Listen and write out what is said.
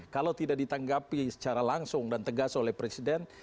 kalau tidak ditanggapi secara langsung dan tegas oleh presiden